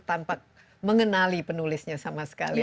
tanpa mengenali penulisnya sama sekali